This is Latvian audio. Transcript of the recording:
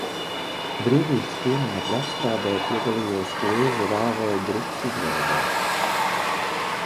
Brīvības pieminekļa apstrādē piedalījos Ķēžu rāvēju grupas izveidē.